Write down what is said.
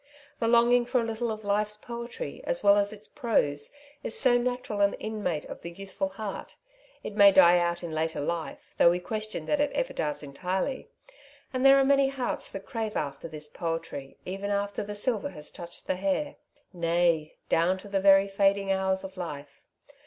The longing for a little of life's poetry, as well as its prose, is so natural an inmate of the youthful heart — ^it may die out in later life, though we question that it ever does entirely — and there are many hearts that crave after this poetry even after the silver has touched the hair; nay, down to the very fading hours of life.